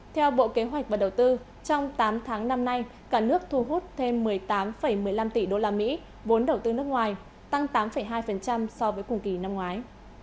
theo bộ kế hoạch và đầu tư trong tám tháng năm nay cả nước thu hút thêm một mươi tám một mươi năm tỷ usd vốn đầu tư nước ngoài tăng tám hai so với cùng kỳ năm ngoái